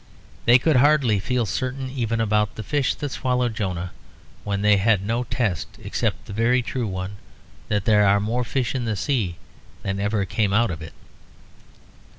They could hardly feel certain even about the fish that swallowed Jonah, when they had no test except the very true one that there are more fish in the sea than ever came out of it.